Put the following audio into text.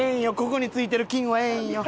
ここについてる菌はええんよ。